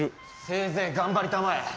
せいぜい頑張りたまえ。